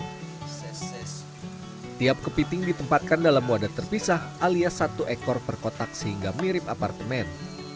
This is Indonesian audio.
setiap kepiting ditempatkan dalam wadah terpisah alias satu ekor per kotak sehingga mirip apartemen